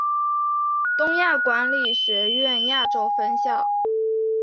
东亚管理学院亚洲分校。